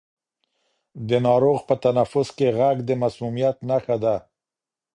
د ناروغ په تنفس کې غږ د مسمومیت نښه ده.